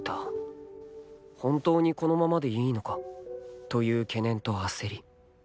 本当にこのままでいいのかという懸念と焦り